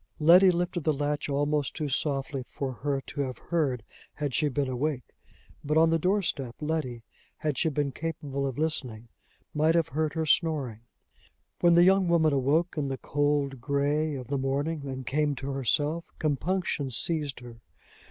Letty lifted the latch almost too softly for her to have heard had she been awake; but on the door step Letty, had she been capable of listening, might have heard her snoring. When the young woman awoke in the cold gray of the morning, and came to herself, compunction seized her.